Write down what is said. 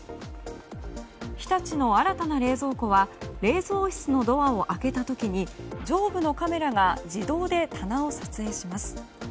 日立の新たな冷蔵庫は冷蔵室のドアを開けた時に上部のカメラが自動で棚を撮影します。